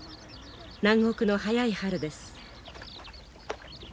南国の早い春です。